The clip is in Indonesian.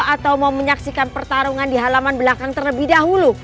atau mau menyaksikan pertarungan di halaman belakang terlebih dahulu